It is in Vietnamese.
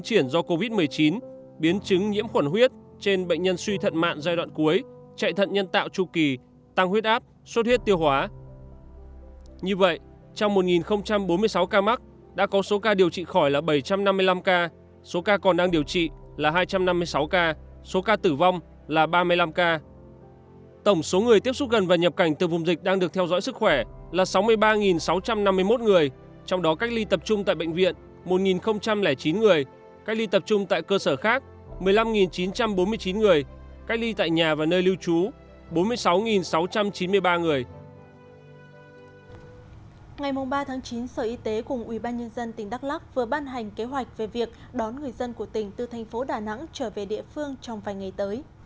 ba tháng chín sở y tế cùng ubnd tỉnh đắk lắc vừa ban hành kế hoạch về việc đón người dân của tỉnh từ thành phố đà nẵng trở về địa phương trong vài ngày tới